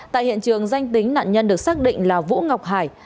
tại hiện trường danh tính nạn nhân được xác định là vũ ngọc hải